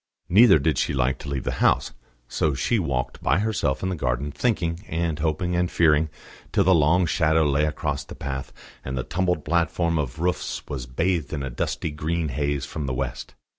Neither did she like to leave the house; so she walked by herself in the garden, thinking and hoping and fearing, till the long shadow lay across the path, and the tumbled platform of roofs was bathed in a dusty green haze from the west.